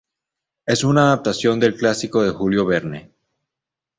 Es una adaptación del clásico de Julio Verne.